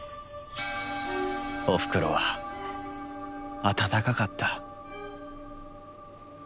おふくろは温かかった。